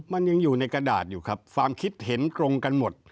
มันยังอยู่ในกระดาษอยู่ครับความคิดเห็นตรงกันหมด